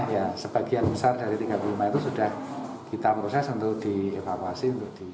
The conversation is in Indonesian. ya sebagian besar dari tiga puluh lima itu sudah kita proses untuk dievakuasi untuk di